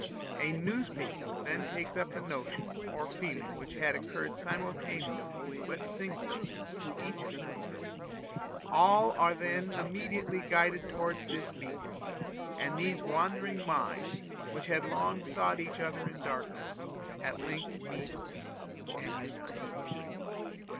A newspaper then takes up the notion or the feeling which had occurred simultaneously, but singly, to each of them. All are then immediately guided towards this beacon; and these wandering minds, which had long sought each other in darkness, at length meet and unite.